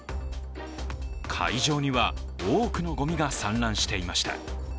会場には多くのごみが散乱していました。